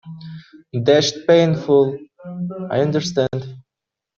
Dashed painful, I understand.